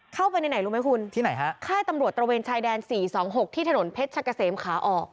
เข้าไปในไหนรู้ไหมคุณที่ไหนฮะค่ายตำรวจตระเวนชายแดน๔๒๖ที่ถนนเพชรชะกะเสมขาออก